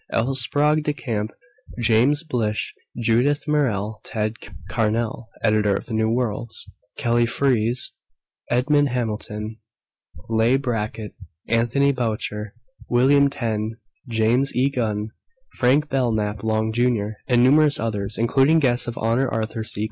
L. Sprague de Camp, James Blish, Judith Merril, "Ted" Carnell (Editor of New Worlds), Kelly Freas, Edmond Hamilton, Leigh Brackett, Anthony Boucher, William Tenn, James E. Gunn, Frank Belknap Long Jr., and numerous others, including Guest of Honor Arthur C.